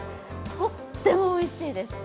とってもおいしいです。